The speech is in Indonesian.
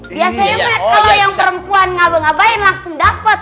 biasanya pak kalau yang perempuan ngaba ngabain langsung dapet